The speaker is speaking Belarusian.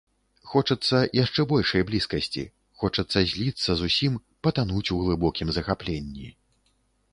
Хочацца яшчэ большай блізкасці, хочацца зліцца зусім, патануць у глыбокім захапленні.